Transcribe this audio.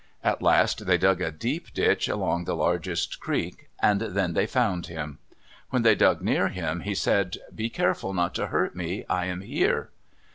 At last they dug a deep ditch along the largest creek, and then they found him. When they dug near him, he said, "Be careful not to hurt me. I am here."